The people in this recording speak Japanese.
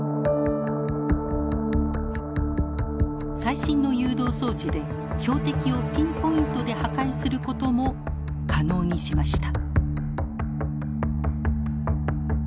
最新の誘導装置で標的をピンポイントで破壊することも可能にしました。